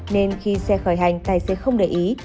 nên khi xe khởi hành tài xế không để ý